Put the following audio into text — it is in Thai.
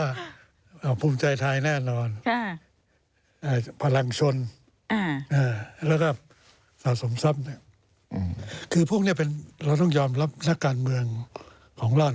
สะสมทรัพย์เนี่ยอืมคือพวกเนี่ยเป็นเราต้องยอมรับหน้าการเมืองของราช